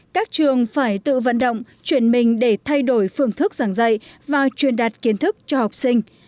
các trường phải tự vận động chuyển mình để thay đổi phương thức giảng dạy và truyền đạt kiến thức cho học sinh